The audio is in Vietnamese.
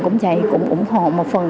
cũng vậy cũng ủng hộ một phần